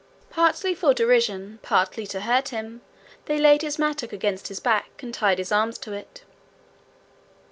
Partly for derision, partly to hurt him, they laid his mattock against his back, and tied his arms to it.